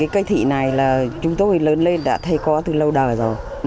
cây thị này là chúng tôi lớn lên đã thấy có từ lâu đời rồi